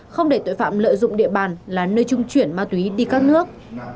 không để tội phạm lợi dụng địa bàn là nơi trung chuyển ma túy đi các nước